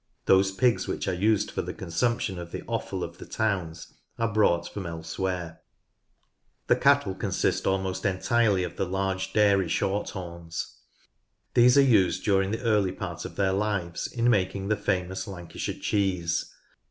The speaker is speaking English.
Those pigs which are used for the consumption of the offal of the towns are brought from elsewhere. AGRICULTURE FORESTRY 93 The cattle consist almost entirely of the Large Dairy Shorthorns. These are used during the early part of their lives in making the famous Lancashire cheese.